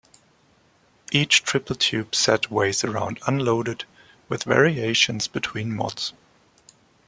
Each triple-tube set weighs around unloaded, with variations between mods.